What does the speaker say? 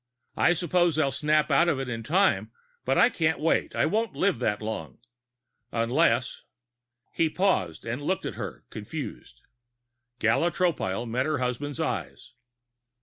I suppose they'll snap out of it in time, but I can't wait. I won't live that long. "Unless " He paused and looked at her, confused. Gala Tropile met her husband's eyes.